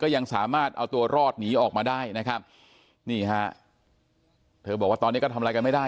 ยังสามารถเอาตัวรอดหนีออกมาได้นะครับนี่ฮะเธอบอกว่าตอนนี้ก็ทำอะไรกันไม่ได้